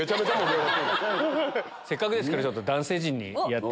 せっかくですから。